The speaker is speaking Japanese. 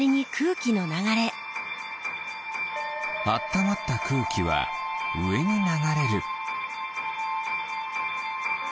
あったまったくうきはうえにながれる。